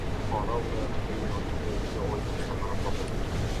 Buxoro viloyatida neolit davriga oid ustaxona topildi